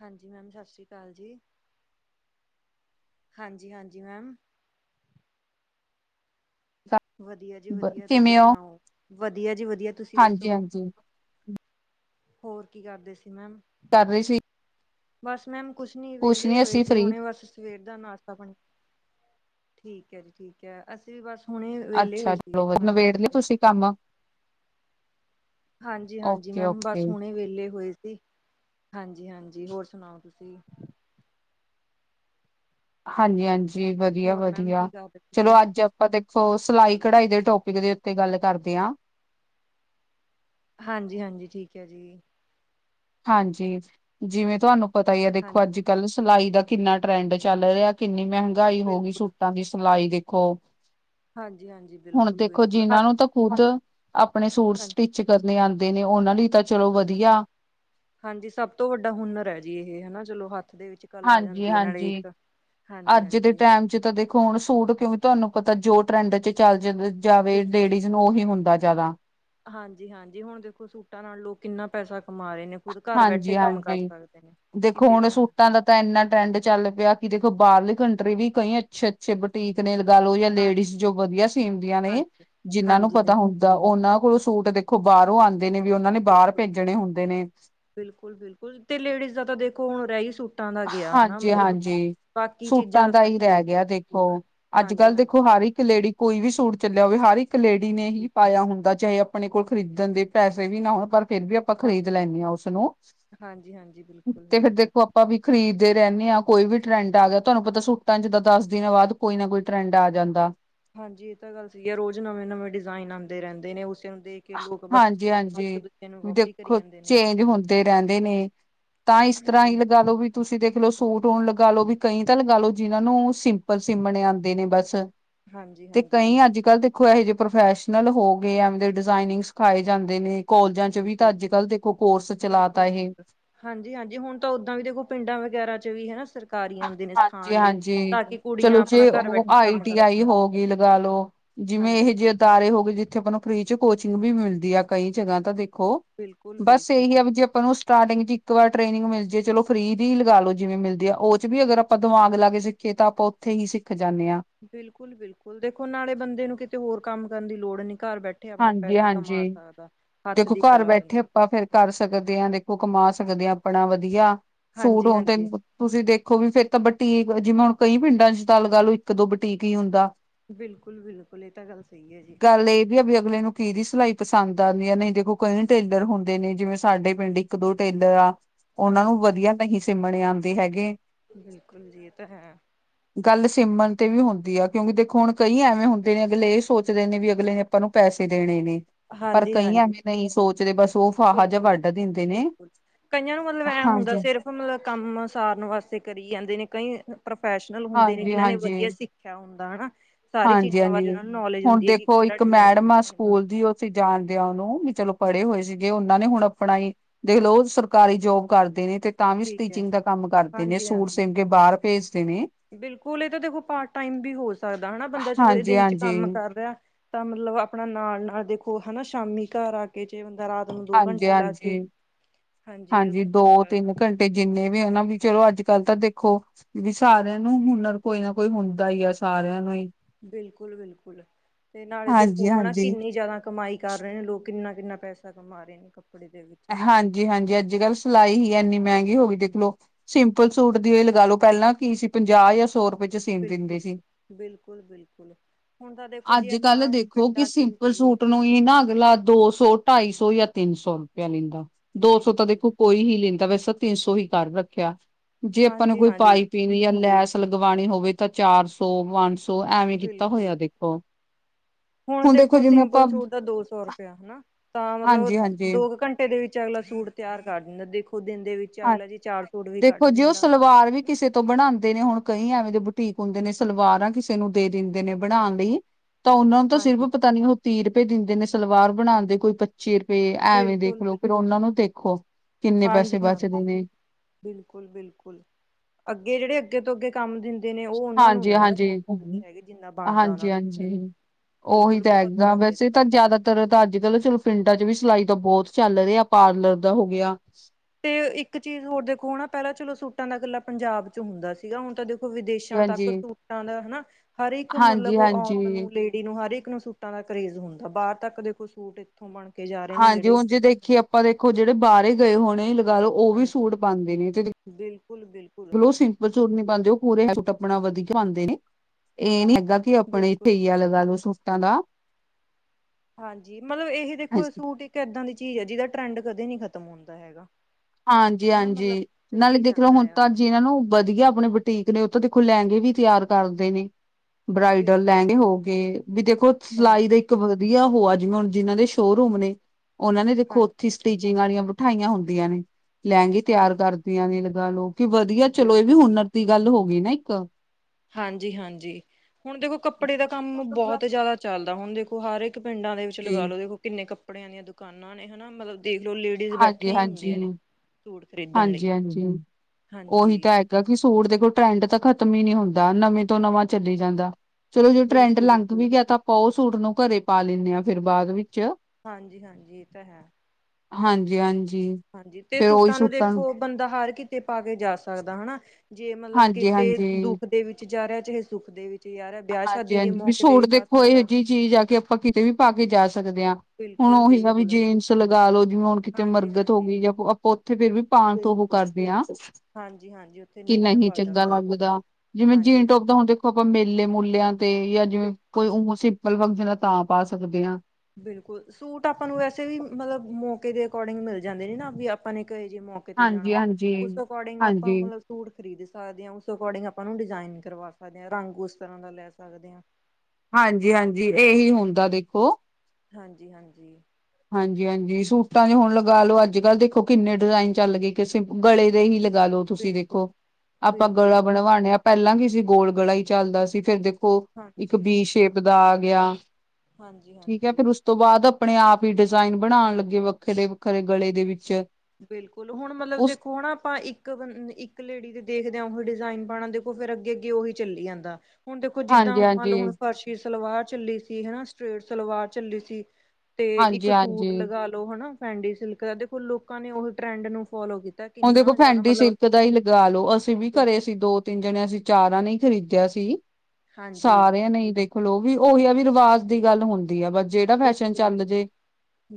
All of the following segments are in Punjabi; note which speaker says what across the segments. Speaker 1: ਹਾਂਜੀ ਮੈਮ ਸ਼ਸ਼ੀ ਕਾਲ ਜੀ, ਹਾਂਜੀ-ਹਾਂਜੀ ਮੈਮ। ਵਧੀਆ ਜੀ ਵਧੀਆ ਤੁਸੀਂ
Speaker 2: ਕਿਵੇਂ ਹੋ?
Speaker 1: ਸੁਣਾਓ, ਵਧੀਆ ਜੀ ਵਧੀਆ ਤੁਸੀਂ
Speaker 2: ਹਾਂਜੀ
Speaker 1: ਦੱਸੋ?
Speaker 2: ਹਾਂਜੀ
Speaker 1: ਹੋਰ ਕੀ ਕਰਦੇ ਸੀ ਮੈਮ?
Speaker 2: ਕਰ ਰਹੇ ਸੀ।
Speaker 1: ਬਸ ਮੈਮ ਕੁਛ ਨੀ ਵਿਹਲੇ ਹੋਏ ਸੀ ਹੁਣੇ ਬਸ ਸਵੇਰ ਦਾ ਨਾਸ਼ਤਾ ਪਾਣੀ, ਠੀਕ ਏ ਜੀ ਠੀ- ਅਸੀਂ ਵੀ ਬਸ ਹੁਣੇ ਵਿਹਲੇ ਹੋਏ
Speaker 2: ਅੱਛਾ
Speaker 1: ਸੀਗੇ
Speaker 2: ਚਲੋ
Speaker 1: ਖਾਣਾ।
Speaker 2: ਨਬੇੜ ਲਿਆ
Speaker 1: ਖਾ ਕੇ।
Speaker 2: ਤੁਸੀਂ ਕੰਮ
Speaker 1: ਹਾਂਜੀ-ਹਾਂਜੀ
Speaker 2: ਓਕੇ
Speaker 1: ਮੈਮ,
Speaker 2: ਓਕੇ
Speaker 1: ਬਸ ਹੁਣੇ ਵਿਹਲੇ ਹੋਏ ਸੀ। ਹਾਂਜੀ-ਹਾਂਜੀ। ਹੋਰ ਸੁਣਾਓ ਤੁਸੀ?
Speaker 2: ਹਾਂਜੀ-ਹਾਂਜੀ। ਜੀ
Speaker 1: ਹੋਰ ਮੈਮ
Speaker 2: ਵਧੀਆ-ਵਧੀਆ,
Speaker 1: ਕੀ ਕਰ ਰਹੇ ਸੀਗੇ
Speaker 2: ਚਲੋ ਅੱਜ ਆਪਾਂ ਦੇਖੋ
Speaker 1: ਚਲੋ
Speaker 2: ਸਿਲਾਈ-ਕਢਾਈ ਦੇ ਟੋਪਿਕ ਦੇ ਉ- ਤੇ ਗੱਲ ਕਰਦੇ ਹਾਂ।
Speaker 1: ਹਾਂਜੀ- ਹਾਂਜੀ। ਠੀਕ ਏ ਜੀ।
Speaker 2: ਹਾਂਜੀ, ਜਿਵੇਂ ਤੁਹਾਨੂੰ ਪਤਾ ਹੀ ਆ ਦੇਖੋ
Speaker 1: ਹਾਂਜੀ
Speaker 2: ਅੱਜ-ਕੱਲ੍ਹ ਸਿਲਾਈ ਦਾ ਕਿੰਨਾ ਟਰੈਡ ਚੱਲ ਰਿਹਾ। ਕਿੰਨੀ ਮਹਿੰਗਾਈ ਹੋਗੀ
Speaker 1: ਬਿਲਕੁਲ
Speaker 2: ਸੂਟਾਂ ਦੀ ਸਿਲਾਈ ਦੇਖੋ।
Speaker 1: ਹਾਂਜੀ ਹਾਂਜੀ
Speaker 2: ਹੁਣ
Speaker 1: ਬਿਲਕੁਲ
Speaker 2: ਦੇਖੋ
Speaker 1: ਬਿਲਕੁਲ
Speaker 2: ਜਿਨਾਂ
Speaker 1: ਹੱਥ
Speaker 2: ਨੂੰ ਤਾਂ ਖੁਦ ਆਪਣੇ ਸੂਟ
Speaker 1: ਹਾਂਜੀ
Speaker 2: ਸਟਿੱ- ਚ ਕਰਨੇ ਆਦੇ ਨੇ। ਉਹਨਾਂ ਲਈ ਤਾਂ ਚਲੋ ਵਧੀਆ
Speaker 1: ਹਾਂਜੀ, ਸਭ ਤੋਂ ਵੱਡਾ ਹੁਨਰ ਏ ਜੀ ਇਹ ਹਨਾ ਚਲੋ ਹੱਥ ਦੇ ਵਿੱਚ ਕਲਾ ਆ
Speaker 2: ਹਾਂਜੀ
Speaker 1: ਜਾਂਦੀ ਆ ਨਾਲੇ
Speaker 2: ਹਾਂਜੀ
Speaker 1: ਇੱਕ। ਹਾਂਜੀ
Speaker 2: ਅੱਜ ਦੇ
Speaker 1: ਹਾਂਜੀ
Speaker 2: ਟੈਮ ਚ ਤਾਂ ਦੇਖੋ ਹੁਣ ਸੂਟ ਕਿਉ ਤੁਹਾਨੂੰ ਪਤਾ ਜੋ ਟਰੈਂਡ ਚ ਚੱਲ ਜਾਂਦਾ ਜਾਵੇ
Speaker 1: ਬਿਲ
Speaker 2: ਲੇਡੀਜ਼ ਨੂੰ ਉਹੀ ਹੁੰਦਾ ਜਿਆਦਾ।
Speaker 1: ਹਾਂਜੀ ਹਾਂਜੀ। ਹੁਣ ਦੇਖੋ, ਸੂਟਾਂ ਨਾਲ ਲੋਕ ਕਿੰਨਾ ਪੈਸਾ ਕਮਾ ਰਹੇ ਨੇ। ਖੁਦ ਘਰ ਬੈਠੇ
Speaker 2: ਹਾਂਜੀ
Speaker 1: ਕੰਮ ਕਰ
Speaker 2: ਹਾਂਜੀ
Speaker 1: ਸਕਦੇ ਨੇ।
Speaker 2: ਦੇਖੋ
Speaker 1: ਕਿਤੇ
Speaker 2: ਹੁਣ
Speaker 1: ਬਾਹਰ ਜਾਣਾ।
Speaker 2: ਸੂਟਾਂ ਦਾ ਤਾਂ ਇੰਨਾ ਟਰੈਂਡ ਚੱਲ ਪਿਆ ਕਿ ਦੇਖੋ ਬਾਹਰਲੀ ਕੰਟਰੀ ਵੀ ਕਈ ਅੱਛੇ- ਅੱਛੇ ਬਟੀਕ ਨੇ ਲਗਾ ਲਓ ਜਾਂ ਲੇਡੀਜ਼
Speaker 1: ਹਾਂਜੀ
Speaker 2: ਜੋ ਵਧੀਆ ਸੀਮਦੀਆਂ ਨੇ
Speaker 1: ਹਾਂਜੀ
Speaker 2: ਜਿਹਨਾਂ ਨੂੰ
Speaker 1: ਹਾਂਜੀ
Speaker 2: ਪਤਾ
Speaker 1: ਹਾਂਜੀ
Speaker 2: ਹੁੰ- ਦਾ। ਉਹਨਾਂ ਕੋਲੋਂ ਸੂਟ ਦੇਖੋ ਬਾਹਰੋਂ ਆਦੇ ਨੇ ਵੀ ਉਹਨਾਂ ਨੇ ਬਾਹਰ
Speaker 1: ਬਿਲਕੁਲ
Speaker 2: ਭੇਜਣੇ ਹੁੰਦੇ ਨੇ।
Speaker 1: ਬਿਲਕੁਲ ਬਿਲਕੁਲ ਤੇ ਲੇਡੀਜ਼ ਦਾ ਤਾਂ ਦੇਖੋ ਹੁਣ ਰਹਿ ਹੀ ਸੂਟਾਂ ਦਾ ਗਿਆ ਹਨਾ ਮਤਲਬ
Speaker 2: ਹਾਂਜੀ-ਹਾਂਜੀ
Speaker 1: ਬਾਕੀ ਚੀਜ਼ਾਂ
Speaker 2: ਸੂਟਾਂ
Speaker 1: ਤਾਂ
Speaker 2: ਦਾ ਹੀ
Speaker 1: ਸਾਰੀਆਂ ਦੂਰ
Speaker 2: ਰਹਿ
Speaker 1: ਤੇ
Speaker 2: ਗਿਆ ਦੇਖੋ,
Speaker 1: ਹਾਂਜੀ
Speaker 2: ਅੱਜ-ਕੱਲ੍ਹ ਦੇਖੋ
Speaker 1: ਹਾਂਜੀ
Speaker 2: ਹਰ ਇੱਕ ਲੇਡੀ ਕੋਈ ਵੀ ਸੂਟ ਚੱਲਿਆ ਹੋਵੇ ਹਰ ਇੱਕ ਲੇਡੀ ਨੇ ਹੀ
Speaker 1: ਬਿਲਕੁਲ
Speaker 2: ਪਾਇਆ ਹੁੰਦਾ ਚਾਹੇ ਆਪਣੇ ਕੋਲ ਖਰੀਦਣ ਦੇ ਪੈਸੇ ਵੀ ਨਾ ਹੋਣ ਪਰ ਫਿਰ ਵੀ ਆਪਾਂ ਖ਼ਰੀਦ
Speaker 1: ਹਾਂਜੀ
Speaker 2: ਲੈਂਦੇ ਹਾਂ ਉਸਨੂੰ
Speaker 1: ਹਾਂਜੀ ਹਾਂਜੀ ਬਿਲਕੁਲ
Speaker 2: ਤੇ ਫਿਰ
Speaker 1: ਬਿਲਕੁਲ
Speaker 2: ਦੇਖੋ ਵੀ ਖਰੀਦਦੇ ਰਹਿੰਦੇ ਹਾਂ ਕੋਈ ਵੀ ਟਰੈਂਡ ਆ ਗਿਆ। ਤੁਹਾਨੂੰ ਪਤਾ ਸੂਟਾਂ 'ਚ ਦਸ ਦਿਨਾਂ ਬਾਅਦ ਕੋਈ ਨਾ ਟਰੈਂਡ ਆ ਜਾਂਦਾ।
Speaker 1: ਹਾਂਜੀ, ਇਹ ਤਾਂ ਗੱਲ ਸਹੀ ਏ। ਰੋਜ਼ ਨਵੇਂ-ਨਵੇਂ ਡਿਜ਼ਾਇਨ ਆਦੇ ਰਹਿੰਦੇ ਨੇ ਉਹ।
Speaker 2: ਹਾਂਜੀ-ਹਾਂਜੀ।
Speaker 1: ਕਰੀ
Speaker 2: ਦੇਖੋ,
Speaker 1: ਜਾਂਦੇ ਨੇ
Speaker 2: ਚੇਂਜ ਹੁੰਦੇ ਰਹਿੰਦੇ ਨੇ। ਤਾਂ ਇਸ ਤਰ੍ਹਾਂ ਹੀ
Speaker 1: ਹਾਂਜੀ
Speaker 2: ਲਗਾ ਲੋ ਵੀ ਤੁਸੀ ਦੇਖਲਓ ਸੂਟ ਹੋਣ ਲਗਾ ਲੋ ਵੀ ਕਈ ਤਾਂ ਲਗਾ ਲਓ ਜਿਹਨਾਂ ਨੂੰ ਸਿੰਪਲ ਸੀਮਣ ਆਂਦੇ ਨੇ ਬਸ
Speaker 1: ਹਾਂਜੀ
Speaker 2: ਤੇ
Speaker 1: ਹਾਂਜੀ
Speaker 2: ਕਈ ਅੱਜ-ਕੱਲ ਦੇ ਇਹੋ ਜਿਹੇ ਪ੍ਰੋਫੈਸ਼ਨਲ ਹੋ ਗਏ ਐਵੇਂ ਦੇ ਡਿਜ਼ਾਇਨਿੰਗ ਸਿਖਾਏ ਜਾਂਦੇ ਨੇ ਕੋਲਜਾਂ 'ਚ' ਵੀ ਤਾਂ
Speaker 1: ਬਿਲਕੁਲ
Speaker 2: ਅੱਜ-ਕੱਲ੍ਹ ਦੇਖੋ ਕੋਰਸ ਚਲਾ ਤਾ ਇਹੇ
Speaker 1: ਹਾਂਜੀ-ਹਾਂਜੀ ਹੁਣ ਤਾਂ ਓਦਾਂ ਵੀ ਦੇਖੋ ਪਿੰਡਾਂ ਵਗੈਰਾ 'ਚ' ਵੀ ਹਨਾ ਫਿਰ
Speaker 2: ਹਾਂਜੀ-ਹਾਂਜੀ
Speaker 1: ਕੁੜੀਆਂ
Speaker 2: ਚਲੋ
Speaker 1: ਆਪਣਾ
Speaker 2: ਜੇ
Speaker 1: ਘਰ
Speaker 2: ਉਹ
Speaker 1: ਬੈਠੇ
Speaker 2: ਆਈ
Speaker 1: ਕੰਮ
Speaker 2: ਟੀ
Speaker 1: ਕਰ
Speaker 2: ਆਈ
Speaker 1: ਸਕਣ
Speaker 2: ਹੋ ਗਈ ਲਗਾ ਲੋ। ਜਿਵੇਂ, ਇਹੋ
Speaker 1: ਹਾਂਜੀ ਹਾਂ
Speaker 2: ਜਿਹੇ ਅਦਾਰੇ ਹੋ ਗਏ ਜਿੱਥੇ ਆਪਾਂ ਨੂੰ ਫ੍ਰੀ 'ਚ' ਕੋਚਿੰਗ ਵੀ ਮਿਲਦੀ ਕਈ ਜਗ੍ਹਾ ਦੇਖੋ।
Speaker 1: ਬਿਲਕੁਲ
Speaker 2: ਬਸ
Speaker 1: ਬਿਲਕੁਲ
Speaker 2: ਇਹੀ ਆ ਵੀ ਜੇ ਆਪਾਂ ਨੂੰ ਸਟਾਟਟਿੰਗ 'ਚ' ਇੱਕ ਵਾਰ ਟ੍ਰੇਨਿੰਗ ਮਿਲ ਜੇ ਚਲੋ ਫਰੀ ਦੀ ਲਗਾ ਲੋ ਜਿਵੇਂ ਮਿਲਦੀ ਹੈ ਉਹ ਕਿਤੇ ਵੀ ਆਪਾਂ ਦਿਮਾਗ ਲਾ ਕੇ ਸਿੱਖੀਏ ਤਾਂ ਆਪਾਂ ਉੱਥੇ ਸਿੱਖ ਜਾਣੇ ਆ।
Speaker 1: ਬਿਲਕੁਲ-ਬਿਲਕੁਲ ਦੇਖੋ ਨਾਲੇ ਬੰਦੇ ਨੂੰ ਕਿਤੇ ਹੋਰ ਕੰਮ ਕਰਨ ਦੀ ਲੋੜ ਨੀ ਘਰ ਬੈਠੇ ਬੈਠੇ ਆਪਣਾ
Speaker 2: ਹਾਂਜੀ
Speaker 1: ਪੈਸੇ ਕਮਾ
Speaker 2: ਹਾਂਜੀ
Speaker 1: ਸਕਦਾ ਹੱਥ
Speaker 2: ਦੇਖੋ
Speaker 1: ਦੀ
Speaker 2: ਘਰ
Speaker 1: ਕਲਾ
Speaker 2: ਬੈਠੇ
Speaker 1: [unintelligible]
Speaker 2: ਆਪਾਂ ਫੇਰ ਕਰ ਸਕਦੇ ਹਾਂ ਦੇਖੋ ਕਮਾ ਸਕਦੇ ਹਾਂ ਆਪਣਾ ਵਧੀਆ ਸੂਟ
Speaker 1: ਹਾਂਜੀ
Speaker 2: ਹੋ ਤੇ
Speaker 1: ਹਾਂਜੀ
Speaker 2: ਤੁਸੀਂ ਦੇਖੋ ਵੀ ਫੇਰ ਤਾਂ ਬਟੀਕ ਜਿਵੇਂ ਹੁਣ ਕਈ ਪਿੰਡਾਂ 'ਚ' ਤਾਂ ਲਗਾ ਲਓ ਇੱਕ-ਦੋ ਬਟੀਕ ਹੀ ਹੁੰਦਾ।
Speaker 1: ਬਿਲਕੁਲ-ਬਿਲਕੁਲ ਇਹ ਤਾਂ ਗੱਲ ਸਹੀ ਹੈ ਜੀ।
Speaker 2: ਗੱਲ ਇਹ ਵੀ ਆ ਵੀ ਅਗਲੇ ਨੂੰ ਕਿਹਦੀ ਸਿਲਾਈ ਪਸੰਦ ਆਉਂਦੀ ਆ ਨਹੀਂ ਦੇਖੋ ਕਈ ਟੇਲਰ ਹੁੰਦੇ ਨੇ ਜਿਵੇਂ, ਸਾਡੇ ਪਿੰਡ ਇੱਕ-ਦੋ ਟੇਲਰ ਆ
Speaker 1: ਹਾਂ
Speaker 2: ਉਹਨਾਂ ਨੂੰ ਵਧੀਆ ਨਹੀਂ ਸਿਮਣੇ ਆਂਦੇ ਹੈਗੇ
Speaker 1: ਬਿਲਕੁਲ, ਜੀ ਇਹ ਤਾਂ ਹੈ।
Speaker 2: ਗੱਲ ਸੀਮਣ ਤੇ ਵੀ ਹੁੰਦੀ ਆ ਕਿਉਂਕਿ ਦੇਖੋ ਹੁਣ ਕਈ ਐਵੇਂ ਹੁੰਦੇ ਨੇ ਅਗਲੇ ਇਹ ਸੋਚਦੇ ਨੇ ਵੀ ਅਗਲੇ ਨੇ ਆਪਾਂ ਨੂੰ ਪੈਸੇ ਦੇਣੇ ਨੇ। ਪਰ ਕਈ
Speaker 1: ਹਾਂਜੀ-ਹਾਂਜੀ,
Speaker 2: ਐਵੇਂ ਨਹੀਂ ਸੋਚਦੇ ਬਸ ਉਹ ਫਾਹਾ ਜਾ
Speaker 1: ਬਿਲਕੁਲ।
Speaker 2: ਵੱਢ ਦਿੰਦੇ ਨੇ।
Speaker 1: ਬਿਲਕੁਲ। ਕਈਆਂ ਨੂੰ ਮਤਲਬ ਐਂ
Speaker 2: ਹਾਂਜੀ
Speaker 1: ਹੁੰਦਾ ਸਿਰਫ ਮਤਲਬ ਕੰਮ ਸਾਰਨ ਵਾਸਤੇ ਕਰੀ ਜਾਂਦੇ ਨੇ ਕਈ ਪ੍ਰੋਫੈਸ਼ਨਲ ਹੁੰਦੇ ਨੇ ਜਿਨਾਂ ਨੇ ਵਧੀਆ ਸਿੱਖ ਸਿੱਖਿਆ ਹੁੰਦਾ ਹਨਾ। ਸਾਰੀ
Speaker 2: ਹਾਂਜੀ-
Speaker 1: ਚੀਜ਼ਾਂ ਬਾਰੇ
Speaker 2: ਹਾਂਜੀ,
Speaker 1: ਉਹਨਾਂ ਨੂੰ ਨੌਲੇਜ
Speaker 2: ਹੁਣ
Speaker 1: ਹੁੰਦੀ ਹੈ ਕਿ
Speaker 2: ਦੇਖੋ
Speaker 1: ਕਿਹੜਾ
Speaker 2: ਇੱਕ
Speaker 1: ਡਿਜ਼ਾਇਨ ਕਿਵੇਂ
Speaker 2: ਮੈਡਮ ਆ
Speaker 1: ਬਣੇਗਾ
Speaker 2: ਸਕੂਲ ਦੀ ਉਹ ਤੁਸੀਂ ਜਾਣਦੇ ਆ ਉਹਨੂੰ ਵੀ ਚਲੋ ਪੜੇ ਹੋਏ ਸੀਗੇ ਉਹ ਉਹਨਾਂ ਨੇ ਹੁਣ ਆਪਣਾ ਹੀ ਦੇਖ ਲਓ ਸਰਕਾਰੀ ਜੋਬ ਕਰਦੇ ਨੇ ਤੇ ਤਾਂ ਵੀ
Speaker 1: ਠੀਕ ਹੈ।
Speaker 2: ਸਟੀਚਿੰਗ ਦਾ ਕੰਮ ਕਰਦੇ ਨੇ ਸੂਟ
Speaker 1: ਹਾਂਜੀ-ਹਾਂਜੀ।
Speaker 2: ਸੇਮ ਕੇ ਬਾਹਰ ਭੇਜਦੇ ਨੇ।
Speaker 1: ਬਿਲਕੁਲ, ਇਹ ਤਾਂ ਦੇਖੋ ਪਾਰਟ ਟਾਈਮ ਵੀ ਹੋ ਸਕਦਾ ਹਨਾ ਬੰਦਾ ਚਲੋ ਇਹ ਦਿਨ 'ਚ'
Speaker 2: ਹਾਂਜੀ-ਹਾਂਜੀ,
Speaker 1: ਕਰ ਰਿਹਾ। ਤਾਂ ਮਤਲਬ ਆਪਣਾ ਨਾਲ-ਨਾਲ ਦੇਖੋ ਹਨਾ ਸ਼ਾਮੀ ਘਰ ਆ ਕੇ ਜੇ ਬੰਦਾ ਰਾਤ ਦੋ ਘੰਟੇ ਲਾ ਕੇ
Speaker 2: ਹਾਂਜੀ-ਹਾਂਜੀ।
Speaker 1: ਹਾਂਜੀ ਉ ਓਦਾ
Speaker 2: ਤੇ ਜਿੰਨੇ ਵੀ ਹਨਾ ਵੀ ਚਲੋ ਅੱਜ-ਕੱਲ੍ਹ ਤਾਂ ਦੇਖੋ ਵੀ ਸਾਰਿਆਂ ਨੂੰ ਹੁਨਰ ਕੋਈ ਨਾ ਕੋਈ ਹੁੰਦਾ ਹੀ ਆ ਸਾਰਿਆਂ ਨੂੰ ਈ।
Speaker 1: ਬਿਲਕੁਲ-ਬਿਲਕੁਲ ਤੇ ਨਾਲੇ ਦੇਖੋ ਹਣਾ
Speaker 2: ਹਾਂਜੀ-ਹਾਂਜੀ।
Speaker 1: ਕਿੰਨੀ ਜ਼ਿਆਦਾ ਕਮਾਈ ਕਰ ਰਹੇ ਨੇ ਲੋਕ ਕਿੰਨਾ-ਕਿੰਨਾ ਪੈਸਾ ਕਮਾ ਰਹੇ ਨੇ ਕੱਪੜੇ ਦੇ ਵਿੱਚ
Speaker 2: ਹਾਂਜੀ-ਹਾਂਜੀ ਅੱਜ-ਕੱਲ੍ਹ ਸਿਲਾਈ ਹੀ ਇੰਨੀ ਮਹਿੰਗੀ ਹੋ ਗਈ ਦੇਖਲੋ। ਸਿੰਪਲ ਸੂਟ ਦੀ ਲਗਾ ਲੋ ਪਹਿਲਾਂ ਕੀ ਸੀ ਪੰਜਾਹ ਜਾਂ ਸੌ ਰੁਪਏ ਚ ਸੀਨ ਦਿੰਦੇ ਸੀ।
Speaker 1: ਬਿਲਕੁਲ-ਬਿਲਕੁਲ-ਬਿਲਕੁਲ। ਹੁਣ ਤਾਂ ਦੇਖੋ ਜੇ ਆਪਾਂ ਪਿੰਡਾਂ 'ਚ' ਵੀ ਕਈਏ
Speaker 2: ਇਹ ਨਾ ਅਗਲਾ ਦੋ ਸੌ, ਢਾਈ ਸੌ ਜਾਂ ਤਿੰਨ ਸੌ ਰੁਪਇਆ ਲੈਂਦਾ। ਦੋ ਸੌ ਤਾਂ
Speaker 1: ਬਿਲਕੁਲ
Speaker 2: ਦੇਖੋ
Speaker 1: ਬਿਲਕੁਲ,
Speaker 2: ਕੋਈ ਹੀ ਲੈਂਦਾ ਵੈਸੇ ਤਿੰਨ ਸੌ ਹੀ ਕਰ ਰੱਖਿਆ ਜੇ ਆਪਾਂ ਨੇ
Speaker 1: ਹਾਂਜੀ
Speaker 2: ਕੋਈ ਪਾਈ
Speaker 1: ਹਾਂਜੀ
Speaker 2: ਭਾਈ ਭਿੰਨ ਜਾਂ ਲੈਸ ਲਗਵਾਉਣੀ ਹੋਵੇ ਤਾਂ ਚਾਰ ਸੌ, ਪੰਜ ਸੌ ਐਵੇਂ ਕੀਤਾ
Speaker 1: ਬਿਲਕੁਲ
Speaker 2: ਹੋਇਆ ਦੇਖੋ।
Speaker 1: ਹੁਣ ਦੇਖੋ ਸਿੰਪਲ ਸੂਟ ਦਾ ਦੋ ਸੌ ਰੁਪਇਆ ਹਨਾ ਤਾਂ ਮਤਲਬ
Speaker 2: ਹਾਂਜੀ-ਹਾਂਜੀ, ਹਾਂਜੀ।
Speaker 1: ਦੋ ਕੁ ਘੰਟੇ ਘੰਟੇ ਦੇ ਵਿੱਚ ਸੂਟ ਤਿਆਰ ਕਰ ਦਿੰਦਾ ਦੇਖੋ ਦਿਨ ਦੇ ਵਿੱਚ ਜੇ ਚਾਰ ਸੂਟ ਵੀ ਕੱਢ ਦਿੰਦਾ
Speaker 2: ਸਮਾਨ ਵੀ
Speaker 1: ਹਨਾ।
Speaker 2: ਕਿਸੇ ਤੋਂ ਬਣਾਦੇ ਨੇ ਹੁਣ ਕਈ ਐਵੇਂ ਦੇ ਬੁਟੀਕ ਨੇ ਸਲਵਾਰਾਂ ਕਿਸੇ ਨੂੰ ਦੇ ਦਿੰਦੇ ਨੇ ਬਣਾਣ ਲਈ ਤਾਂ ਉਹਨਾਂ ਨੂੰ ਤਾਂ ਸਿਰਫ
Speaker 1: ਹਾਂਜੀ
Speaker 2: ਪਤਾ ਨੀ ਉਹ ਤੀਹ ਰੁਪਏ ਦਿੰਦੇ ਨੇ ਸਲਵਾਰ ਬਣਾਣ ਦੇ ਕੋਈ ਚਿਰ ਪਏ ਐਵੇਂ ਦੇਖਲੋ ਫਿਰ ਉਹਨਾਂ ਨੂੰ ਦੇਖੋ ਕਿੰਨੇ ਪੈਸੇ ਬਚਦੇ
Speaker 1: ਹਾਂਜੀ-ਹਾਂਜੀ,
Speaker 2: ਨੇ
Speaker 1: ਬਿਲਕੁਲ-ਬਿਲਕੁਲ, ਅੱਗੇ ਜਿਹੜੇ ਅੱਗੇ ਤੋਂ ਅੱਗੇ ਕੰਮ ਦਿੰਦੇ ਨੇ ਉਹ ਉਹਨਾਂ ਨੂੰ
Speaker 2: ਹਾਂਜੀ ਹਾਂਜੀ
Speaker 1: ਹੈਗੇ ਜਿੰਨਾ ਬਣਦਾ ਉਹਨਾਂ
Speaker 2: ਹਾਂਜੀ
Speaker 1: ਨੂੰ
Speaker 2: ਹਾਂਜੀ ਉਹੀ
Speaker 1: ਬਿਲਕੁਲ
Speaker 2: ਤਾਂ
Speaker 1: ਬਹੁਤ
Speaker 2: ਹੈਗਾ
Speaker 1: ਫਾਇਦੇ ਇਸ
Speaker 2: ਵੈਸੇ ਤਾਂ ਜ਼ਿਆਦਾ ਤਰ ਤਾਂ ਅੱਜ ਕਲ ਚਲੋ ਪਿੰਡਾ 'ਚ ਵੀ ਸਿਲਾਈ ਤਾਂ ਬਹੁਤ ਚੱਲ ਰਿਹਾ ਪਾਰਲਰ ਦਾ ਹੋ ਗਿਆ
Speaker 1: ਤੇ ਇੱਕ ਚੀਜ਼ ਹੋਰ ਦੇਖੋ ਹਨਾ ਪਹਿਲਾਂ ਚਲੋ ਸੂਟਾਂ ਦਾ ਗੱਲਾ ਪੰਜਾਬ 'ਚ ਹੁੰਦਾ ਸੀਗਾ ਹੁਣ ਤਾਂ ਦੇਖੋ ਵਿਦੇਸ਼ਾਂ ਤੱਕ
Speaker 2: ਹਾਂਜੀ
Speaker 1: ਸੂਟਾਂ ਦਾ ਹਨਾ ਹਰ ਇੱਕ
Speaker 2: ਹਾਂਜੀ
Speaker 1: ਮਤਲਬ ਉਹ ਔਰਤ
Speaker 2: ਹਾਂਜੀ
Speaker 1: ਨੂੰ ਲੇ ਡੀ ਨੂੰ ਹਰ ਇੱਕ ਨੂੰ ਸੂਟਾਂ ਦਾ ਕਰੇਜ਼ ਹੁੰਦਾ ਬਾਹਰ ਤੱਕ ਦੇਖੋ ਸੂਟ ਥੋਂ ਬਣ ਕੇ ਜਾ ਰਹੇ ਨੇ
Speaker 2: ਹਾਂਜੀ
Speaker 1: ਜਿਹੜੇ
Speaker 2: ਹੁਣ ਜੇ ਦੇਖੀਏ ਆਪਾਂ ਦੇਖੋ ਜਿਹੜੇ ਬਾਹਾਰੇ ਗਏ ਹੋਣੇ ਲਗਾ ਲਓ ਉਹ ਵੀ ਸੂਟ ਪਾਦੇ ਨੇ ਤੇ
Speaker 1: ਬਿਲਕੁਲ-ਬਿਲਕੁਲ।
Speaker 2: ਉਹ ਸਿੰਪਲ ਸੂਟ ਨੀ ਪਾਦੇ ਉਹ ਪੂਰੇ ਕੱਪੜਾ ਸੂਟ ਆਪਣਾ ਵਧੀਆ ਪਾਦੇ ਨੇ ਇਹ ਨੀ ਹੈਗਾ ਕਿ ਆਪਣੇ ਇਥੇ
Speaker 1: ਬਿਲਕੁਲ
Speaker 2: ਏ ਈ ਆ
Speaker 1: ਬਿਲਕੁਲ
Speaker 2: ਲਗਾਲੋ ਸੂਟਾਂ ਦਾ
Speaker 1: ਹਾਂਜੀ ਮਤਲਬ ਇਹੀ ਦੇਖੋ ਸੂਟ ਇੱਕ ਏਦਾਂ ਦੀ ਚੀਜ਼ ਆ ਜਿਹਦਾ ਟਰੈਂਡ ਕਦੇ ਨੀ ਖ਼ਤਮ ਹੁੰਦਾ ਹੈਗਾ। ਹਨਾ ਮਤਲਬ
Speaker 2: ਹਾਂਜੀ-ਹਾਂਜੀ ਨਾਲੇ
Speaker 1: ਚੱਲੀ
Speaker 2: ਦੇਖ ਲਓ
Speaker 1: ਜਾਂਦਾ
Speaker 2: ਹੁਣ
Speaker 1: ਆ
Speaker 2: ਤਾਂ ਜਿਹਨਾਂ ਨੂੰ ਵਧੀਆ ਆਪਣੇ ਬਟੀਕ ਨੇ ਉਹ ਤਾਂ ਦੇਖੋ ਲਹਿੰਗੇ ਵੀ ਤਿਆਰ ਕਰਦੇ ਨੇ ਬਰਾਈਡਲ
Speaker 1: ਬਿਲਕੁਲ
Speaker 2: ਲਹਿੰਗੇ ਹੋ ਗਏ ਵੀ ਦੇਖੋ
Speaker 1: ਹਾਂਜੀ
Speaker 2: ਸਿਲਾਈ ਦਾ ਇੱਕ ਵਧੀਆ ਹੋ ਆ ਜਿਵੇਂ ਹੁਣ ਜਿਹਨਾਂ ਦੇ ਸ਼ੋਅਰੂਮ ਨੇ ਉਹਨਾਂ ਨੇ ਦੇਖੋ
Speaker 1: ਹਾਂਜੀ
Speaker 2: ਉੱਥੇ
Speaker 1: ਹਾਂਜੀ
Speaker 2: ਸਟੀਚਿੰਗ ਵਾਲੀਆਂ ਮਿਠਾਈਆਂ ਹੁੰਦੀਆਂ ਨੇ ਲਹਿੰਗੇ
Speaker 1: ਹਾਂਜੀ
Speaker 2: ਤਿਆਰ ਕਰਦੀਆਂ ਨੇ ਲਗਾ ਲਓ ਕਿ ਵਧੀਆ ਚਲੋ ਇਹ ਵੀ
Speaker 1: ਬਿਲਕੁਲ
Speaker 2: ਹੁਨਰ ਦੀ ਗੱਲ ਹੋ ਗਈ ਨਾ ਇੱਕ
Speaker 1: ਹਾਂਜੀ-ਹਾਂਜੀ ਹੁਣ ਦੇਖੋ ਕੱਪੜੇ ਦਾ ਕੰਮ ਬਹੁਤ ਜ਼ਿਆਦਾ ਚੱਲਦਾ ਹੁਣ ਦੇਖੋ ਹਰ ਇੱਕ ਪਿੰਡਾਂ ਦੇ ਵਿੱਚ ਲਗਾ
Speaker 2: ਜੀ
Speaker 1: ਲਓ ਦੇਖੋ ਕਿੰਨੇ ਕੱਪੜਿਆਂ ਦੀਆਂ ਦੁਕਾਨਾਂ ਨੇ ਹਨਾ ਮਤਲਬ ਦੇਖਲੋ ਲੇਡੀਜ਼
Speaker 2: ਹਾਂਜੀ
Speaker 1: ਬੈਠੀਆਂ ਈ ਹੁੰਦੀਆਂ
Speaker 2: ਹਾਂਜੀ
Speaker 1: ਨੇ ਸੂਟ ਖਰੀਦਣ ਲਈ ਹਾਂਜੀ
Speaker 2: ਬਾਕੀ ਸੂਟ ਦੇਖੋ ਟਰੈਂਡ ਤਾਂ ਖਤਮ ਈ ਨੀ ਹੁੰਦਾ ਨਵੇਂ ਤੋਂ ਨਵਾਂ ਚੱਲੀ ਜਾਂਦਾ ਚਲੋ ਜੇ ਟਰੈਂਡ
Speaker 1: ਬਿਲਕੁਲ
Speaker 2: ਲੰਘ
Speaker 1: ਬਿਲਕੁਲ
Speaker 2: ਵੀ ਗਿਆ ਤਾਂ ਆਪਾਂ ਉਹ ਸੂਟ ਨੂੰ ਘਰੇ ਪਾ ਲੈਂਦੇ ਹਾਂ ਫਿਰ ਬਾਅਦ ਵਿੱਚ
Speaker 1: ਹਾਂਜੀ-ਹਾਂਜੀ ਇਹ ਤਾਂ ਹੈ
Speaker 2: ਹਾਂਜੀ-ਹਾਂਜੀ
Speaker 1: ਹਾਂਜੀ ਤੇ ਸੂਟਾਂ ਨੂੰ ਦੇਖੋ ਬੰਦਾ ਹਰ ਕਿਤੇ ਪਾ ਕੇ ਜਾ ਸਕਦਾ ਹਨਾ ਜੇ ਮਤਲਬ ਕਿਤੇ
Speaker 2: ਹਾਂਜੀ-ਹਾਂਜੀ
Speaker 1: ਦੁੱਖ ਦੇ ਵਿੱਚ ਵਿੱਚ ਜਾ ਰਿਹਾ ਚਾਹੇ ਸੁੱਖ ਦੇ ਵਿੱਚ ਜਾ ਰਿਹਾ ਵਿਆਹ ਸ਼ਾਦੀ ਦੇ ਮੌਕੇ ਤੇ ਵੀ ਪਾ ਸਕਦਾ।
Speaker 2: ਚੀਜ ਆ ਕੇ ਆਪਾਂ ਕਿਤੇ ਵੀ ਪਾ ਕੇ ਜਾ ਸਕਦੇ ਆ ਹੁਣ
Speaker 1: ਬਿਲਕੁਲ
Speaker 2: ਉਹੀ ਆ ਵੀ
Speaker 1: ਬਿਲਕੁਲ
Speaker 2: ਜੇਨਸ ਲਗਾ ਲੋ ਓ ਜਿਵੇਂ ਹੁਣ ਕਿਤੇ
Speaker 1: ਹਾਂਜੀ
Speaker 2: ਮਰਗਤ ਹੋ
Speaker 1: ਹਾਂਜੀ
Speaker 2: ਗਈ ਜਾਂ ਆਪਾਂ ਉੱਥੇ ਫੇਰ ਵੀ ਪਾਉਣ ਤੋਂ ਉਹੋ ਕਰਦੇ ਆ
Speaker 1: ਹਾਂਜੀ- ਹਾਂਜੀ ਉੱਥੇ
Speaker 2: ਕਿ
Speaker 1: ਨਈਆਂ
Speaker 2: ਨਹੀਂ
Speaker 1: ਪਾ ਜਾ
Speaker 2: ਚੰਗਾ
Speaker 1: ਸਕਦਾ
Speaker 2: ਲੱਗਦਾ ਜਿਵੇਂ
Speaker 1: ਹਾਂਜੀ
Speaker 2: ਜੀਨ ਟੋਪ ਤਾਂ ਹੁਣ ਦੇਖੋ। ਆਪਾਂ ਮੇਲੇ ਮੂਲਿਆਂ ਤੇ ਜਾਂ ਜਿਵੇਂ
Speaker 1: ਬਿਲ
Speaker 2: ਕੋਈ ਉ ਸਿੰਪਲ ਫੰਕਸ਼ਨ ਆ ਤਾਂ ਪਾ ਸਕਦੇ ਆ
Speaker 1: ਬਿਲਕੁਲ ਸੂਟ ਆਪਾਂ ਨੂੰ ਵੈਸੇ ਵੀ ਮਤਲਬ ਮੌਕੇ ਦੇ ਅਕੋਰਡਿੰਗ ਮਿਲ ਜਾਂਦੇ ਨੇ ਨਾ ਵੀ ਆਪਾਂ ਨੇ ਕਿਹੋ ਜਿਹੇ ਮੌਕੇ ਕਿਤੇ ਜਾਣਾ
Speaker 2: ਹਾਂਜੀ-ਹਾਂਜੀ,
Speaker 1: ਉਸ ਅਕੋਰਡਿੰਗ ਆਪਾਂ
Speaker 2: ਹਾਂਜੀ,
Speaker 1: ਮਤਲਬ ਸੂਟ ਖਰੀਦ ਸਕਦੇ ਹਾਂ ਉਸ ਅਕੋਡਿੰਗ ਆਪਾਂ ਨੂੰ ਡਿਜ਼ਾਇਨ ਕਰਵਾ ਸਕਦੇ ਹਾਂ ਰੰਗ ਉਸ ਤਰ੍ਹਾਂ ਦਾ ਲੈ ਸਕਦੇ ਹਾਂ।
Speaker 2: ਹਾਂਜੀ- ਹਾਂਜੀ ਇਹੀ ਹੁੰਦਾ ਦੇਖੋ।
Speaker 1: ਹਾਂਜੀ- ਹਾਂਜੀ।
Speaker 2: ਹਾਜੀ- ਹਾਂਜੀ ਸੂਟਾਂ ਦੇ ਹੁਣ ਲਗਾ ਲਓ, ਅੱਜ- ਕੱਲ੍ਹ ਦੇਖੋ ਕਿੰਨੇ ਡਿਜ਼ਾਇਨ ਚੱਲ ਗਏ ਗਲੇ ਦੇ ਹੀ ਲੱਗੇ ਲਗਾ ਲਓ ਤੁਸੀਂ ਦੇਖੋ ਆਪਾਂ ਗਲਾ
Speaker 1: ਬਿਲਕੁਲ-ਬਿਲਕੁਲ-ਬਿਲਕੁਲ
Speaker 2: ਬਣਵਾਉਣੇ ਆ ਪਹਿਲਾਂ ਕੀ ਸੀ ਗੋਲ ਗਲਾ ਹੀ ਚੱਲਦਾ ਸੀ ਫਿਰ ਦੇਖੋ। ਹੋ ਇੱਕ ਬੀ ਸ਼ੇਪ ਦਾ ਆ ਗਿਆ। ਠੀਕ ਆ
Speaker 1: ਹਾਂਜੀ-ਹਾਂਜੀ-ਹਾਂਜੀ
Speaker 2: ਫਿਰ ਉਸ ਤੋਂ ਬਾਅਦ ਆਪਣੇ ਆਪ ਹੀ ਡਿਜ਼ਾਇਨ ਬਣਾਉਣ ਲੱਗੇ ਵੱਖਰੇ- ਵੱਖਰੇ ਗਲੇ ਦੇ ਵਿੱਚ
Speaker 1: ਬਿਲਕੁਲ, ਹੁਣ ਮਤਲਬ
Speaker 2: ਉਸ
Speaker 1: ਦੇਖੋ ਹਨਾ, ਆਪਾਂ ਇੱਕ ਇੱਕ, ਬੰ ਇੱਕ ਲੇਡੀ ਦੇ ਦੇਖਦਿਆਂ ਉਹੀ ਡਿਜ਼ਾਇਨ ਪਾਉਣਾ ਦੇਖੋ ਫਿਰ ਅੱਗੇ-ਅੱਗੇ ਉਹੀ ਚੱਲੀ ਜਾਂਦਾ। ਹੁਣ ਦੇਖੋ, ਜਿੱਦਾਂ ਮੰਨ
Speaker 2: ਹਾਂਜੀ-ਹਾਂਜੀ,
Speaker 1: ਲਉ, ਹੁਣ ਫਰਸ਼ੀ ਸਲਵਾਰ ਚੱਲੀ ਸੀ ਹਨਾ ਸਟਰੇਟ ਸਲਵਾਰ ਚੱਲੀ ਸੀ। ਤੇ ਇੱਕ ਸੂਟ
Speaker 2: ਹਾਂਜੀ-ਹਾਂਜੀ।
Speaker 1: ਲਗਾ ਲੋ ਹਨਾ, ਫੈਂਡੀ ਸਿਲਕ ਦਾ ਦੇਖੋ ਲੋਕਾਂ ਨੇ ਉਹੀ ਟਰੈਂਡ ਨੂੰ ਫੋਲੋ ਕੀਤਾ।
Speaker 2: ਹੁਣ ਦੇਖੋ
Speaker 1: ਕਿੰਨਾ ਜ਼ਿਆਦਾ
Speaker 2: ਫੈਂਡੀ
Speaker 1: ਮਤਲਬ
Speaker 2: ਸਿਲਕ ਦਾ ਹੀ ਲਗਾ ਲੋ, ਅਸੀਂ ਵੀ ਘਰੇ
Speaker 1: ਬਿਲਕੁਲ
Speaker 2: ਸੀ ਦੋ ਤਿੰਨ ਜਣਿਆਂ ਸੀਂ, ਚਾਰਾ ਨਹੀਂ ਖਰੀਦਿਆ ਸੀ
Speaker 1: ਹਾਂਜੀ
Speaker 2: ਸਾਰਿਆਂ ਨੇ ਦੇਖ ਲੋ ਵੀ ਉਹੀ ਆ ਵੀ ਰਿਵਾਜ਼ ਦੀ ਗੱਲ ਹੁੰਦੀ ਆ ਬੱਸ ਜਿਹੜਾ ਫੈਸ਼ਨ
Speaker 1: ਬਿਲਕੁਲ
Speaker 2: ਚੱਲ
Speaker 1: ਬਿਲਕੁਲ
Speaker 2: ਜੇ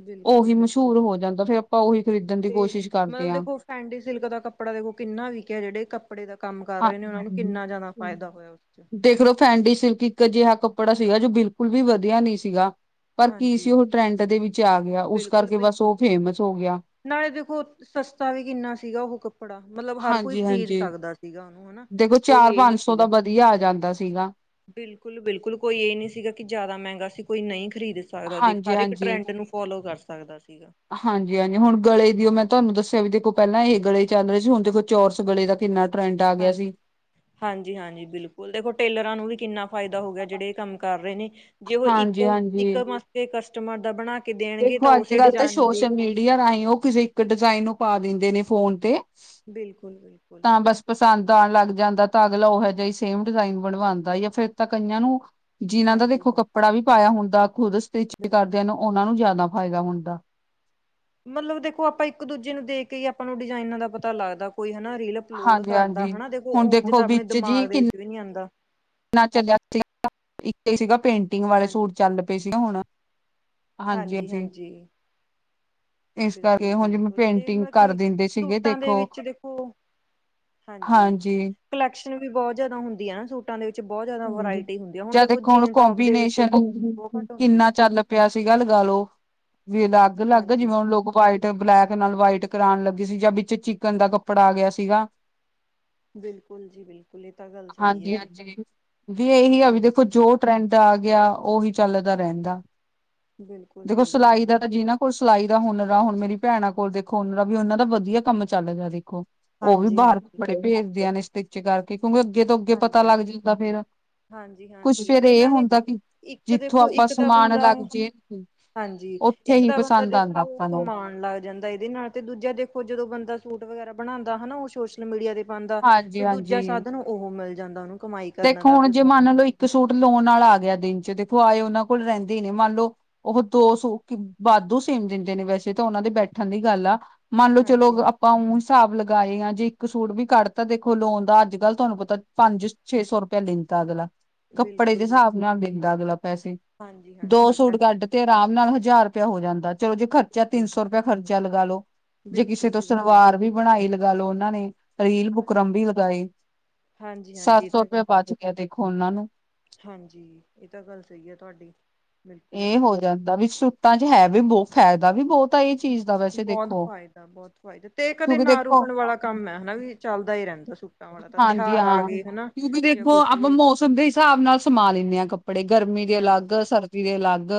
Speaker 1: ਬਿਲਕੁਲ
Speaker 2: ਉਹੀ
Speaker 1: ਬਿਲਕੁਲ
Speaker 2: ਮਸ਼ਹੂਰ ਹੋ ਜਾਂਦਾ ਫੇਰ ਆਪਾਂ ਉਹੀ ਖਰੀਦਣ ਦੀ ਕੋਸ਼ਿਸ਼ ਕਰਦੇ ਆ
Speaker 1: ਪੈਂਡੀ ਸਿਲਕ ਦਾ ਕੱਪੜਾ ਦੇਖੋ ਕਿੰਨਾ ਵੀਕਿਆ ਜਿਹੜੇ ਕਪ ਕੱਪੜੇ ਦਾ ਕੰਮ ਕਰ
Speaker 2: ਹਾਂ
Speaker 1: ਰਹੇ ਨੇ ਉਹਨਾਂ ਨੂੰ ਕਿੰਨਾ ਜ਼ਿਆਦਾ ਫਾਇਦਾ ਹੋਇਆ ਉਸ 'ਚ'
Speaker 2: ਦੇਖ ਲੋ ਫੈਂਡੀ ਸਿਲਕ ਇੱਕ ਅਜਿਹਾ ਕੱਪੜਾ ਸੀਗਾ ਜੋ ਬਿਲਕੁਲ ਵੀ ਵਧੀਆ ਨਹੀਂ ਸੀਗਾ ਪਰ ਕੀ ਸੀ
Speaker 1: ਹਾਂਜੀ
Speaker 2: ਉਹ ਟਰੈਂਡ ਦੇ ਵਿੱਚ ਵਿੱਚ ਆ ਗਿਆ। ਉਸ
Speaker 1: ਬਿਲਕੁਲ
Speaker 2: ਕਰਕੇ ਬੱਸ
Speaker 1: ਬਿਲਕੁਲ
Speaker 2: ਉਹ ਫੇਮਸ ਹੋ ਹੋ ਗਿਆ।
Speaker 1: ਨਾਲੇ ਦੇਖੋ, ਸਸਤਾ ਵੀ ਕਿੰਨਾ ਸੀਗਾ ਉਹ ਕੱਪੜਾ, ਮਤਲਬ ਹਰ ਕੋਈ ਖ਼ਰੀਦ
Speaker 2: ਹਾਂਜੀ-ਹਾਂਜੀ
Speaker 1: ਸਕਦਾ। ਸੀਗਾ ਉਹਨੂੰ ਹਨਾ,
Speaker 2: ਦੇਖੋ
Speaker 1: ਕੋਈ
Speaker 2: ਚਾਰ
Speaker 1: ਇਹ ਨੀ
Speaker 2: ਪੰਜ ਸੌ ਦਾ
Speaker 1: ਸੀਗਾ
Speaker 2: ਵਧੀਆ ਆ ਜਾਂਦਾ ਸੀਗਾ।
Speaker 1: ਬਿਲਕੁਲ-ਬਿਲਕੁਲ ਕੋਈ ਇਹ ਨਹੀਂ ਸੀਗਾ ਕਿ ਜ਼ਿਆਦਾ ਮਹਿੰਗਾ ਸੀ ਕੋਈ ਨਹੀਂ ਖਰੀਦ ਸਕਦਾ ਹਰ ਇੱਕ
Speaker 2: ਹਾਂਜੀ-ਹਾਂਜੀ।
Speaker 1: ਟਰੈਂਡ ਨੂੰ ਫੋਲੋ ਕਰ ਸਕਦਾ ਸੀਗਾ।
Speaker 2: ਹਾਂਜੀ-ਹਾਂਜੀ ਹੁਣ ਗਲੇ ਦੀ ਉਹ ਤੁਹਾਨੂੰ ਦੱਸਿਆ ਵੀ ਦੇਖੋ, ਪਹਿਲਾਂ ਇਹ ਗਲੇ ਚੱਲ ਰਹੇ ਸੀ ਹੁਣ ਦੇਖੋ ਚੋਰਸ ਗਲੇ ਦਾ ਕਿੰਨਾ ਟਰੈਂਡ ਆ ਗਿਆ ਸੀ।
Speaker 1: ਹਾਂਜੀ-ਹਾਂਜੀ ਬਿਲਕੁਲ ਦੇਖੋ ਟੇਲਰਾਂ ਨੂੰ ਵੀ ਕਿੰਨਾ ਫਾਇਦਾ ਹੋ ਗਿਆ, ਜਿਹੜੇ ਕੰਮ ਕਰ ਰਹੇ ਨੇ ਜੇ ਉਹ
Speaker 2: ਹਾਂਜੀ-ਹਾਂਜੀ
Speaker 1: ਇੱਕ-ਇੱਕ ਮਾਸਤੇ ਕਸਟਮਰ ਦਾ ਬਣਾ ਕੇ ਦੇਣਗੇ
Speaker 2: ਦੇਖੋ
Speaker 1: ਤਾਂ ਉਸੇ
Speaker 2: ਅੱਜ-ਕੱਲ੍ਹ ਤਾਂ
Speaker 1: ਡਿਜ਼ਾਇਨ ਨੂੰ ਦੇ
Speaker 2: ਸੋਸ਼ਲ
Speaker 1: ਕੇ
Speaker 2: ਮੀਡੀਆ ਰਾਹੀਂ ਉਹ ਕਿਸੇ ਇੱਕ ਡਿਜ਼ਾਇਨ ਨੂੰ ਪਾ ਦਿੰਦੇ ਫੋਨ ਤੇ
Speaker 1: ਬਿਲਕੁਲ-ਬਿਲਕੁਲ
Speaker 2: ਬੱਸ ਪਸੰਦ ਆਉਣ ਲੱਗ ਜਾਂਦਾ ਤਾਂ ਅਗਲਾ ਉਹੋ ਜਿਹਾ ਸੇਮ ਡਿਜ਼ਾਇਨ ਬਣਵਾਦਾ ਜਾਂ ਫਿਰ ਤਾਂ ਕਈਆਂ ਨੂੰ ਜਿਹਨਾਂ ਦਾ
Speaker 1: ਹਾਂਜੀ
Speaker 2: ਦੇਖੋ
Speaker 1: ਹਾਂਜੀ
Speaker 2: ਕੱਪੜਾ ਵੀ ਪਾਇਆ ਹੁੰਦਾ ਖੁਦ ਸਟੀਚ
Speaker 1: ਬਿਲਕੁਲ
Speaker 2: ਕਰਦਿਆਂ ਨੂੰ ਉਹਨਾਂ ਨੂੰ ਜ਼ਿਆਦਾ ਫਾਇਦਾ ਹੁੰਦਾ।
Speaker 1: ਮਤਲਬ ਦੇਖੋ ਆਪਾਂ ਇੱਕ ਦੂਜੇ ਨੂੰ ਦੇਖ ਕੇ ਹੀ ਆਪਾਂ ਨੂੰ ਡਿਜ਼ਾਇਨਾਂ ਦਾ ਪਤਾ ਲੱਗਦਾ ਕੋਈ ਹਨਾ ਰੀਲ ਲੋੜ ਕਰਦਾ
Speaker 2: ਹਾਂਜੀ-ਹਾਂਜੀ
Speaker 1: ਹਨਾ, ਦੇਖੋ
Speaker 2: ਹੁਣ
Speaker 1: ਉੰਝ ਤਾਂ ਆਪਣੇ ਦਿਮਾਗ ਦੇ ਵਿੱਚ ਵੀ ਨਹੀਂ ਆਂਦਾ।
Speaker 2: ਨਾ ਚੱਲਿਆ ਸੀਗਾ, ਇੱਕ ਸੀਗਾ ਪੇਂਟਿੰਗ ਵਾਲੇ
Speaker 1: ਹਾਂਜੀ
Speaker 2: ਸੂਟ ਚੱਲ ਪਏ ਸੀਗੇ ਹੁਣ
Speaker 1: ਹਾਂਜੀ-ਹਾਂਜੀ।
Speaker 2: ' [inaudible] ਇਸ ਕਰਕੇ, ਹੁਣ ਜਿਵੇਂ
Speaker 1: ਬਿਲਕੁਲ ਤੇ
Speaker 2: ਪੇਂਟਿੰਗ
Speaker 1: ਮਤਲਬ
Speaker 2: ਕਰ
Speaker 1: ਕਿ
Speaker 2: ਦਿੰਦੇ ਸੀਗੇ
Speaker 1: ਸੂਟਾਂ ਦੇ
Speaker 2: ਦੇਖੋ।
Speaker 1: ਵਿੱਚ ਦੇਖੋ
Speaker 2: ਹਾਂਜੀ।
Speaker 1: ਕਲੈਕਸ਼ਨ ਵੀ ਬਹੁਤ ਜਿਆਦਾ ਹੁੰਦੀ ਆ ਨਾ ਸੂਟ ਟਾ ਵਿੱਚ ਬਹੁਤ ਜ਼ਿਆਦਾ ਵਰਾਇਟੀ ਹੁੰਦੀ ਆ, ਹੁਣ ਦੇਖੋ ਜੀਨ ਟੋਪ ਦੇ ਵਿੱਚ ਬਹੁਤ ਘੱਟ ਹੁੰਦੀ ਆ।
Speaker 2: ਕਿਹਾ ਸੀ ਗਾ ਲਗਾ ਲੋ, ਵੀ ਅਲੱਗ ਅਲੱਗ
Speaker 1: ਹਾਂਜੀ
Speaker 2: ਜਿਵੇਂ ਹੁਣ ਲੋਕ ਪਾਏ ਬਲੈਕ ਨਾਲ ਵਾਈਟ ਕਰਾਉਣ ਲੱਗੀ ਸੀ ਜਾਂ ਵਿੱਚ ਚਿਕਨ ਦਾ ਕੱਪੜਾ ਆ ਗਿਆ ਸੀਗਾ
Speaker 1: ਬਿਲਕੁਲ ਜੀ, ਬਿਲਕੁਲ ਇਹ ਤਾਂ ਗੱਲ ਸਹੀ ਆ
Speaker 2: ਹਾਂਜੀ
Speaker 1: ਜੀ।
Speaker 2: ਹਾਂਜੀ ਵੀ ਇਹੀ ਆ, ਵੀ
Speaker 1: ਹਾਂਜੀ
Speaker 2: ਦੇਖੋ ਜੋ ਟਰੈਂਡ ਆ ਗਿਆ, ਉਹੀ ਚੱਲਦਾ ਰਹਿੰਦਾ।
Speaker 1: ਬਿਲਕੁਲ
Speaker 2: ਦੇਖੋ ਸਿਲਾਈ
Speaker 1: ਬਿਲਕੁਲ
Speaker 2: ਦਾ ਤਾਂ ਜੀ ਨਾ। ਹੋਰ ਸਿਲਾਈ ਦਾ ਹੁਨਰ ਆ, ਹੁਣ ਮੇਰੀ ਭੈਣਾਂ ਕੋਲ ਦੇਖੋ ਹੁਨਰ ਆ ਵੀ ਉਹਨਾਂ ਦਾ ਵਧੀਆ ਕੰਮ ਚੱਲ ਗਿਆ ਦੇਖੋ। ਉਹ ਵੀ
Speaker 1: ਹਾਂਜੀ
Speaker 2: ਬਾਹਰ
Speaker 1: ਹਾਂਜੀ
Speaker 2: ਬੜੇ ਭੇਜਦੇ ਆ ਨੇ, ਸਟਿੰਚ ਕਰਕੇ ਕਿਉਂਕਿ ਅੱਗੇ ਤੋਂ ਅੱਗੇ ਪਤਾ ਲੱਗ ਜਾਂਦਾ ਫੇਰ ਕੁਛ
Speaker 1: ਹਾਂਜੀ-ਹਾਂਜੀ
Speaker 2: ਫੇਰ
Speaker 1: ਤੇ
Speaker 2: ਇਹ
Speaker 1: ਨਾਲੇ
Speaker 2: ਹੁੰਦਾ ਕਿ
Speaker 1: ਇੱਕ
Speaker 2: ਜਿੱਥੋਂ
Speaker 1: ਦੇਖੋ
Speaker 2: ਆਪਾਂ
Speaker 1: ਇੱਕ ਤਾਂ
Speaker 2: ਸਮਾਨ
Speaker 1: ਬੰਦਾ
Speaker 2: ਲੱਗ ਜੇ
Speaker 1: ਹਾਂਜੀ,
Speaker 2: ਉੱਥੇ
Speaker 1: ਇੱਕ
Speaker 2: ਹੀ
Speaker 1: ਤਾਂ ਬੰਦਾ
Speaker 2: ਪਸੰਦ ਆਂਦਾ
Speaker 1: ਦੇਖੋ
Speaker 2: ਆਪਾਂ ਨੂੰ
Speaker 1: ਕਮਾਣ ਲੱਗ ਜਾਂਦਾ ਇਹਦੇ ਨਾਲ ਤੇ ਦੂਜਾ ਦੇਖੋ ਜਦੋਂ ਬੰਦਾ ਸੂਟ ਵਗੈਰਾ ਬਣਾਦਾ ਹਨਾ, ਉਹ ਸੋਸ਼ਲ ਮੀਡੀਆ ਤੇ ਪਾਦਾ ਤੇ ਦੂਜਾ
Speaker 2: ਹਾਂਜੀ-ਹਾਂਜੀ।
Speaker 1: ਸਾਧਨ ਉਹ ਮਿਲ ਜਾਂਦਾ ਉਹਨੂੰ। ਕਮਾਈ ਕਰਨ
Speaker 2: ਦੇਖੋ,
Speaker 1: ਦਾ
Speaker 2: ਹੁਣ ਜੇ
Speaker 1: ਜਦੋਂ
Speaker 2: ਮੰਨ ਲਓ ਇੱਕ ਸੂਟ ਲਾਉਣ ਨਾਲ ਆ ਗਿਆ ਦਿਨ ਚ ਦੇਖੋ ਆਏ ਉਹਨਾਂ ਕੋਲ ਰਹਿੰਦੇ ਹੀ ਨੇ। ਮੰਨ ਲਓ ਉਹ ਦੋ ਸੂ ਵਾਧੂ ਸੀਨ ਦਿੰਦੇ ਨੇ ਵੈਸੇ ਤਾਂ ਉਹਨਾਂ ਦੇ ਬੈਠਣ ਦੀ ਗੱਲ ਆ। ਮੰਨ ਲਓ ਚਲੋ
Speaker 1: ਹਾਂਜੀ ਹਾਂ
Speaker 2: ਆਪਾਂ ਉਹ ਹਿਸਾਬ ਲਗਾਏ ਆ ਜੇ ਇੱਕ ਸੂਟ ਵੀ ਕੱਢਤਾ ਦੇਖੋ ਲਾਉਣ ਦਾ ਅੱਜ-ਕੱਲ੍ਹ ਤੁਹਾਨੂੰ ਪਤਾ ਪੰਜ ਛੇ ਸੌ ਰੁਪਇਆ ਲੈਂਦਾ ਅਗਲਾ। ਕੱਪੜੇ ਦੇ
Speaker 1: ਬਿਲਕੁਲ ਜੀ
Speaker 2: ਹਿਸਾਬ ਨਾਲ ਲੈਂਦਾ ਅਗਲਾ ਪੈਸੇ।
Speaker 1: ਹਾਂਜੀ
Speaker 2: ਦੋ
Speaker 1: ਹਾਂਜੀ ਇਹ
Speaker 2: ਸੂਟ
Speaker 1: ਤਾਂ ਹੈ
Speaker 2: ਕੱਢ ਤੇ ਆਰਾਮ ਨਾਲ ਹਜ਼ਾਰ ਰੁਪਇਆ ਹੋ ਜਾਂਦਾ। ਚਲੋ ਜੇ ਖਰਚਾ ਤਿੰਨ
Speaker 1: ਬਿਲਕੁਲ
Speaker 2: ਸੌ ਰੁਪਇਆ ਖਰਚਾ ਲਗਾਲੋ ਜੇ ਕਿਸੇ
Speaker 1: ਬਿਲਕੁਲ
Speaker 2: ਤੋਂ
Speaker 1: ਜੀ ਬਿਲਕੁਲ
Speaker 2: ਸਲਵਾਰ ਵੀ ਬਣਾਈ ਲਗਾ ਲੋ ਉਹਨਾਂ ਨੇ ਰੀਲ, ਬੁਕਰਮ ਵੀ ਲਗਾਈ।
Speaker 1: ਹਾਂਜੀ ਹਾਂਜੀ
Speaker 2: ਸਤ
Speaker 1: ਇਹ
Speaker 2: ਸੌ
Speaker 1: ਤਾਂ ਗੱਲ ਸਹੀ
Speaker 2: ਵਚ ਗਿਆ ਦੇਖੋ ਉਹਨਾਂ ਨੂੰ।
Speaker 1: ਹਾਂਜੀ, ਇਹ ਤਾਂ ਗੱਲ ਸਹੀ ਏ ਤੁਹਾਡੀ। ਬਿਲਕੁਲ
Speaker 2: ਇਹ ਹੋ ਜਾਂਦਾ ਵੀ ਸੁੂਟਾ ਚ ਏ ਵੀ ਬਹੁਤ ਫਾਇਦਾ ਵੀ ਬਹੁਤ ਆ ਇਹ ਚੀਜ਼ ਦਾ। ਵੈਸੇ
Speaker 1: ਬਹੁਤ
Speaker 2: ਦੇਖੋ
Speaker 1: ਫਾਇਦਾ, ਬਹੁਤ ਫਾਇਦਾ ਤੇ ਕਦੇ
Speaker 2: ਕਿਉਂਕਿ
Speaker 1: ਨਾ
Speaker 2: ਦੇਖੋ
Speaker 1: ਰੁਕਣ ਵਾਲਾ ਕੰਮ ਏ ਹਨਾ ਵੀ ਚੱਲਦਾ ਹੀ ਰਹਿੰਦਾ ਸੂਟ।
Speaker 2: ਹਾਂਜੀ ਹਾਂ। ਕਿਉਕਿ ਦੇਖੋ
Speaker 1: ਕੁਛ
Speaker 2: ਆਪਾਂ
Speaker 1: ਵੀ
Speaker 2: ਮੌਸਮ ਦੇ ਹਿਸਾਬ ਨਾਲ ਸਮਾ ਲੈਣੇ ਹਾਂ ਕੱਪੜੇ ਕੱਪੜੇ ਗਰਮੀ ਦੇ
Speaker 1: ਹਾਂਜੀ
Speaker 2: ਅਲੱਗ ਸਰਦੀ ਦੇ ਅਲੱਗ।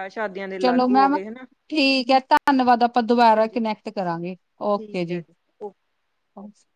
Speaker 1: ਵਿਆਹ-ਸ਼ਾਦੀਆਂ ਦੇ
Speaker 2: ਚਲੋ
Speaker 1: ਅਲੱਗ ਹੋ
Speaker 2: ਮੈਮ
Speaker 1: ਗਏ ਹਨਾ।
Speaker 2: ਠੀਕ ਏ। ਧੰਨਵਾਦ ਆਪਾਂ ਦੁਬਾਰਾ
Speaker 1: ਹਾਂਜੀ
Speaker 2: ਕਨੈਕਟ ਕਰਾਂਗੇ,
Speaker 1: ਠੀਕ
Speaker 2: ਓਕੇ
Speaker 1: ਹੈ
Speaker 2: ਜੀ।
Speaker 1: ਓਕੇ
Speaker 2: [unintelligible]